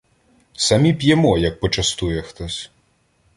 самі п'ємо, як почастує хтось.